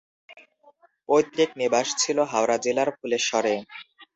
পৈতৃক নিবাস ছিল হাওড়া জেলার ফুলেশ্বরে।